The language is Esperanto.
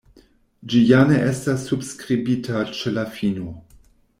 Ĝi ja ne estas subskribita ĉe la fino.